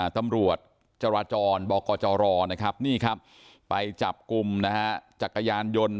ตำรวจจรจรบกจรนะครับนี่ครับไปจับกลุ่มนะฮะ